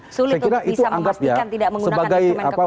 sulit untuk bisa memastikan tidak menggunakan instrumen kekuasaan